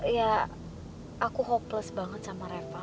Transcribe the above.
ya aku hopeless banget sama reva